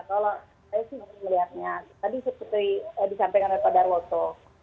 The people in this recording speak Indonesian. kalau saya sih melihatnya tadi seperti disampaikan darwoto